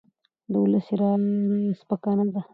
د ولس رایه سپکه نه ده